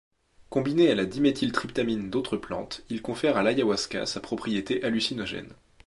Combiné à la diméthyltryptamine d'autres plantes, il confère à l'ayahuasca sa propriété hallucinogène.